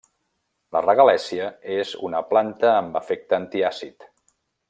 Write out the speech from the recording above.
La regalèssia és una planta amb efecte antiàcid.